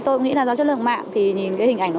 tôi nghĩ là do chất lượng mạng thì nhìn cái hình ảnh đó